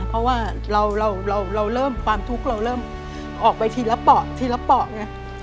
เพราะว่าเราเริ่มความทุกข์เราเริ่มออกไปทีละเปาะทีละเปาะไง